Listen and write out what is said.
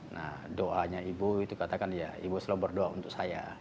nah doanya ibu itu katakan ya ibu selalu berdoa untuk saya